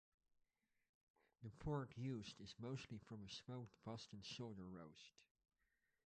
The pork used is mostly from a smoked Boston shoulder roast.